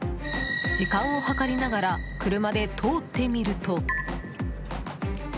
時間を計りながら車で通ってみると。